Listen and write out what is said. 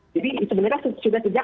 jadi sebenarnya sudah sejak